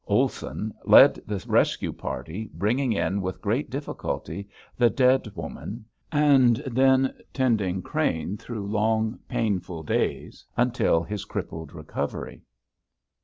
Olson led the rescue party bringing in with great difficulty the dead woman and then tending Crane through long, painful days until his crippled recovery.